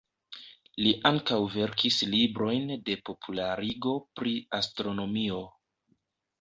Li ankaŭ verkis librojn de popularigo pri astronomio.